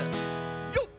よっ！